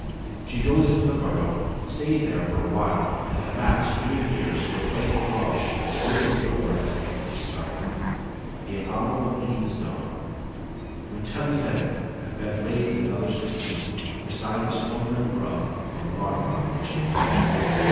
She goes into the burrow, stays there for a while, and at last reappears to replace the rubbish and close the door as it was at the start. The abominable deed is done: the Mutilla's egg has been laid in another's cocoon, beside the slumbering grub or larva on which it will feed.